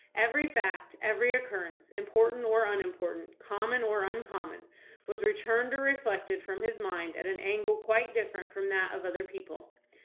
Every fact, every occurrence, important or unimportant, common or uncommon, was returned or reflected from his mind at an angle quite different from that of other people.